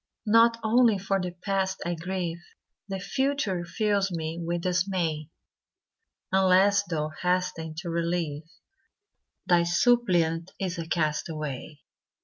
Not only for the past I grieve, The future fills me with dismay; Unless Thou hasten to relieve, Thy suppliant is a castaway.